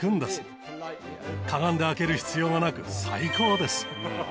かがんで開ける必要がなく最高です。